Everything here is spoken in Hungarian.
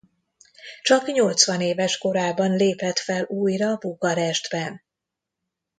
Csak nyolcvanéves korában lépett fel újra Bukarestben.